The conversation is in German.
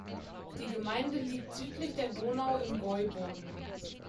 Die Gemeinde liegt südlich der Donau im Gäuboden.